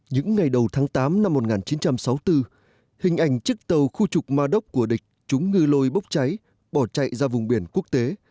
những ngày đầu tháng tám năm một nghìn chín trăm sáu mươi bốn hình ảnh chiếc tàu khu trục madok của địch chúng ngư lôi bốc cháy bỏ chạy ra vùng biển quốc tế